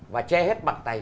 và che hết bằng tay